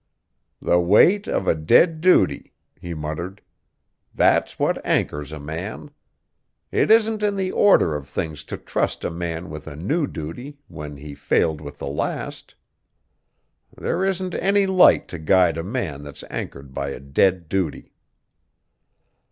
"The weight of a dead duty," he muttered. "That's what anchors a man! It isn't in the order of things to trust a man with a new duty, when he failed with the last. There isn't any light to guide a man that's anchored by a dead duty."